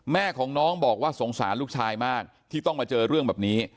แม่ของน้องบอกว่าสงสารลูกชายมากที่ต้องมาเจอเรื่องแบบนี้